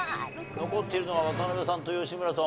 残っているのは渡辺さんと吉村さん